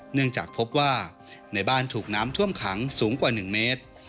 เนื่องจากพบว่าในบ้านถูกน้ำท่วมขังสูงกว่า๑เมตร